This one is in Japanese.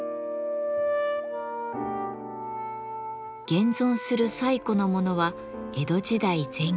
現存する最古のものは江戸時代前期。